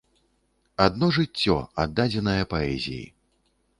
Адно жыццё, аддадзенае паэзіі.